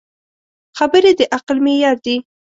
خبرې د عقل معیار دي.